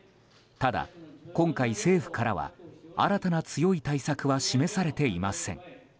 ただ、今回政府からは新たな強い対策は示されていません。